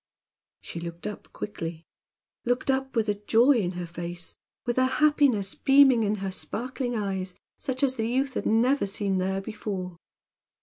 She looked up quickly, looked up with a joy in her face, with a happiness beaming in her sparkling eyes, such as the youth had never seen there before.